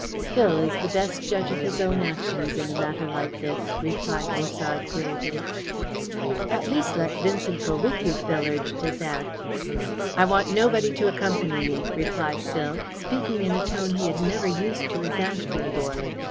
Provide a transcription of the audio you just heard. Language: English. "Phil is the best judge of his own actions in a matter like this," replied Musard gravely. "At least let Vincent go with you, Phil," urged his aunt. "I want nobody to accompany me," replied Phil, speaking in a tone he had never used to his aunt before.